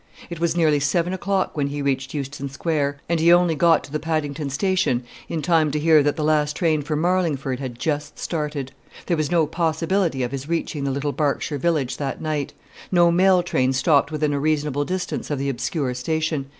It was nearly seven o'clock when he reached Euston Square; and he only got to the Paddington station in time to hear that the last train for Marlingford had just started. There was no possibility of his reaching the little Berkshire village that night. No mail train stopped within a reasonable distance of the obscure station.